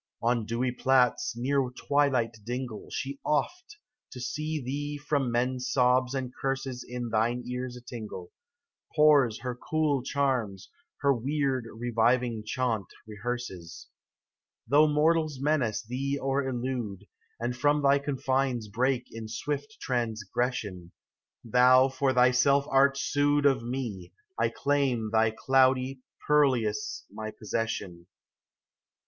On dewy plats, near twilight dingle. She oft, to still thee from men's sobs and curses In thine ears a tingle, Pours her cool charms, her weird, reviving chaunt rehearses. Though mortals menace thee or elude, And from thy confines break in swift transgression, Thou for thyself art sued Of me, I claim thy cloudy purlieus my possession.